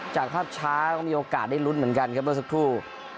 จากภาพช้าก็มีโอกาสได้ลุ้นเหมือนกันครับเมื่อสักครู่